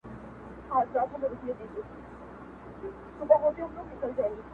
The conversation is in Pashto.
له مینتوب نه مې لاس وانخیست